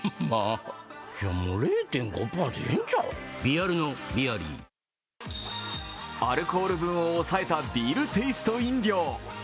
アルコール分を抑えたビールテイスト飲料。